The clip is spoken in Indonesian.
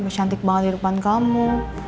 cantik banget di depan kamu